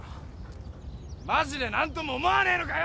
マジで何とも思わねえのかよ？